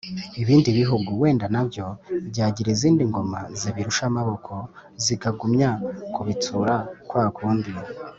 ibindi bihugu. wenda nabyo byagira izindi ngoma zibirusha amaboko, zikagumya kubitsura kwakundi,